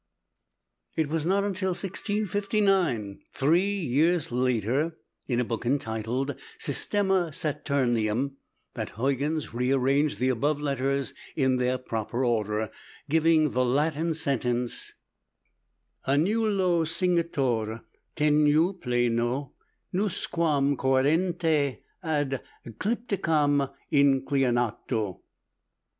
It was not until 1659, three years later, in a book entitled "Systema Saturnium," that Huygens rearranged the above letters in their proper order, giving the Latin sentence: "_Annulo cingitur, tenui plano, nusquam cohaerente, ad eclipticam inclinato.